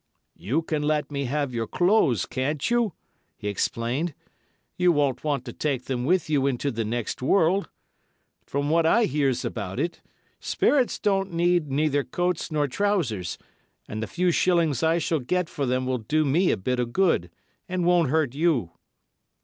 "You can let me have your clothes, can't you?" he explained; "you won't want to take them with you into the next world. From what I hears about it, sperrits don't need neither coats nor trousers, and the few shillings I shall get for them will do me a bit of good, and won't hurt you."